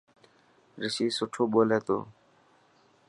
رشي سٺو ٻولي تو.